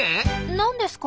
何ですか？